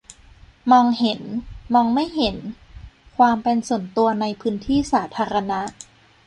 มองเห็น-มองไม่เห็น : ความเป็นส่วนตัวในพื้นที่สาธารณะ